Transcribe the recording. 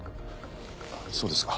そうですか。